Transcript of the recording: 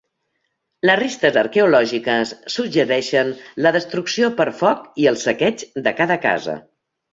Les restes arqueològiques suggereixen la destrucció per foc i el saqueig de cada casa.